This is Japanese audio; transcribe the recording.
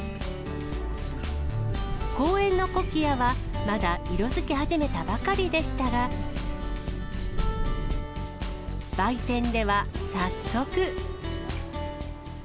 公園のコキアは、まだ色づき始めたばかりでしたが、売店では早速。